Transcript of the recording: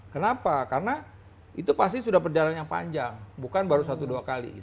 kenapa karena itu pasti sudah perjalanan yang panjang bukan baru satu dua kali